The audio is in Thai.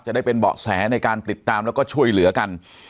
ได้เป็นเบาะแสในการติดตามแล้วก็ช่วยเหลือกัน